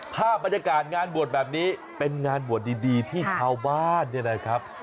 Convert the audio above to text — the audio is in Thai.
ภาพบรรยากาศงานบวชแบบนี้เป็นงานบวชดีที่ชาวบ้านเนี่ยนะครับ